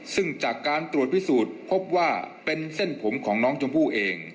ซึ่งจากการตรวจพิสูจน์พบว่าเป็นเส้นผมของน้องชมพู่เอง